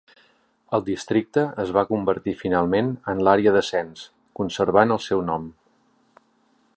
El districte es va convertir finalment en l'àrea de cens, conservant el seu nom.